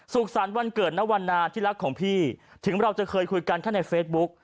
สรรค์วันเกิดนวันนาที่รักของพี่ถึงเราจะเคยคุยกันแค่ในเฟซบุ๊ก